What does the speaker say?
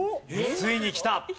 ついにきた。